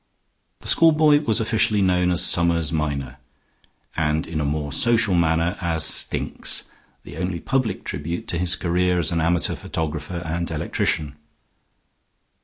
The schoolboy was officially known as Summers Minor, and in a more social manner as Stinks, the only public tribute to his career as an amateur photographer and electrician.